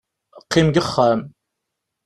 Qqim deg uxxam.